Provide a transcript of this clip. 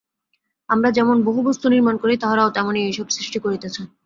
আমরা যেমন বহু বস্তু নির্মাণ করি, তাহারাও তেমনি এইসব সৃষ্টি করিতেছে।